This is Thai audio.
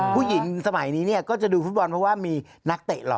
ผู้หญิงสมัยนี้เนี่ยก็จะดูฟุตบอลเพราะว่ามีนักเตะหล่อ